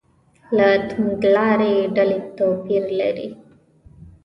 له توندلارې ډلې توپیر لري.